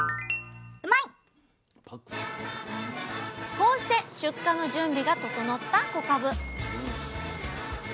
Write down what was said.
こうして出荷の準備が整った小かぶ。